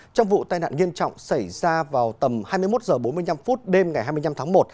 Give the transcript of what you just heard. trong vụ tai nạn nghiêm trọng xảy ra vào tầm hai mươi một h bốn mươi năm đêm ngày hai mươi năm tháng một